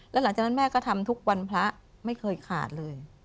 แล้วหลังจากนั้นแม่ก็ทำทุกวันพระไม่เคยขาดเลย